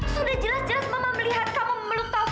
sudah jelas jelas mama melihat kamu memeluk fad